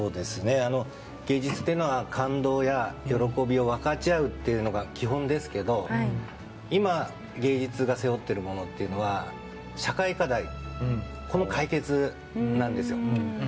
芸術は感動や喜びを分かち合うのが基本ですが今、芸術が背負っているものは社会課題の解決なんですよ。